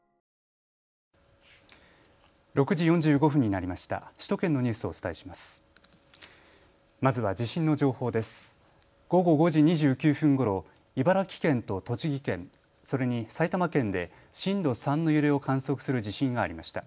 午後５時２９分ごろ茨城県と栃木県、それに埼玉県で震度３の揺れを観測する地震がありました。